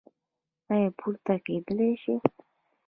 ایا پورته کیدی شئ؟